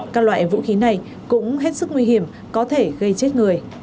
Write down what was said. các loại vũ khí này cũng hết sức nguy hiểm có thể gây chết người